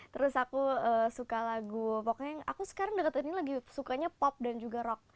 terus aku suka lagu pokoknya yang aku sekarang dekat ini lagi sukanya pop dan juga rock